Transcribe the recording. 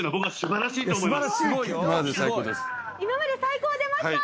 「今までで最高」出ました！